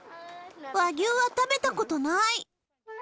和牛は食べたことない。